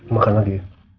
makan lagi ya